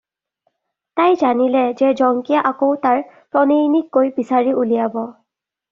তাই জানিলে যে জংকিয়ে আকৌ তাৰ প্ৰণয়িণীক গৈ বিচাৰি উলিয়াব।